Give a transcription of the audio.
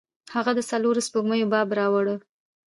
هغه د څلورو سپوږمیو باب راواړوه.